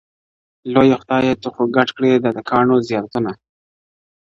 لویه خدایه ته خو ګډ کړې دا د کاڼو زیارتونه٫